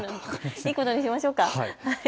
いいことにしましょうか。